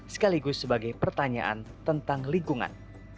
sekaligus sebagai pertanyaan tentang lingkungan